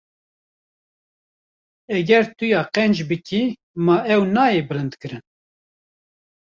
Eger tu ya qenc bikî, ma ew nayê bilindkirin?